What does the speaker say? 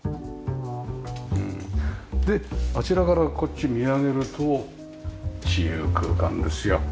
であちらからこっち見上げると自由空間ですよ。